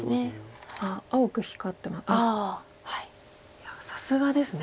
いやさすがですね。